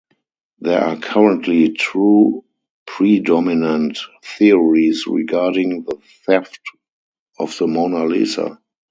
There are currently two predominant theories regarding the theft of the "Mona Lisa".